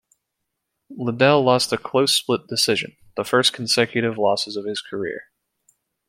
Liddell lost a close split decision, the first consecutive losses of his career.